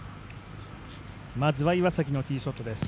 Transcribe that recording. まずは岩崎のティーショットです。